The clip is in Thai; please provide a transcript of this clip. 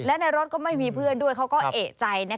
และในรถก็ไม่มีเพื่อนด้วยเขาก็เอกใจ